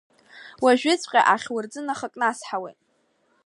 Уажәыҵәҟьа ахьурӡы нахакнасҳауеит.